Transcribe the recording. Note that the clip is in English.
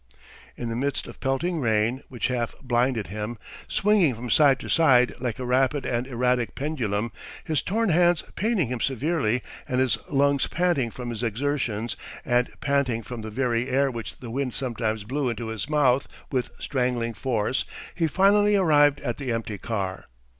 In the midst of pelting rain, which half blinded him, swinging from side to side like a rapid and erratic pendulum, his torn hands paining him severely and his lungs panting from his exertions and panting from the very air which the wind sometimes blew into his mouth with strangling force, he finally arrived at the empty car.